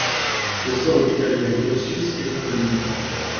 Le sort ultérieur d'Ursus est inconnu.